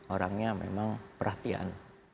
orangnya memang perhatian